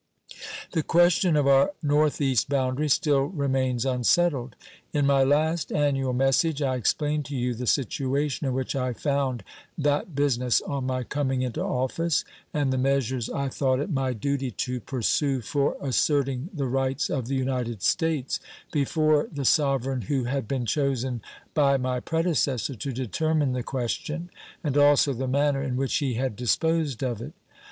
The question of our North East boundary still remains unsettled. In my last annual message I explained to you the situation in which I found that business on my coming into office, and the measures I thought it my duty to pursue for asserting the rights of the United States before the sovereign who had been chosen by my predecessor to determine the question, and also the manner in which he had disposed of it.